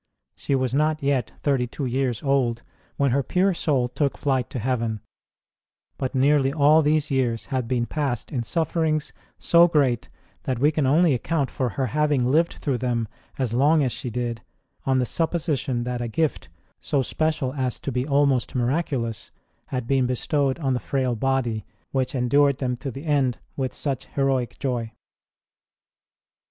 She was not yet thirty two years old when her pure soul took flight to heaven ; but nearly all these years had been passed in suffer ings so great that we can only account for her 25 26 ST. ROSE OF LIMA having lived through them as long as she did on the supposition that a gift, so special as to be almost miraculous, had been bestowed on the frail body which endured them to the end with such heroic joy.